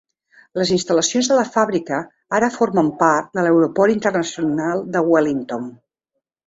Les instal·lacions de la fàbrica ara formen part de l"Aeroport Internacional de Wellington.